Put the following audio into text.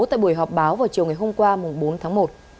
tại buổi họp báo vào chiều ngày hôm qua bốn tháng một